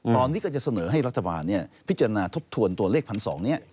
ตอนนี้ก็จะเสนอให้รัฐบาลพิจารณาทบทวนตัวเลข๑๒๐๐นี้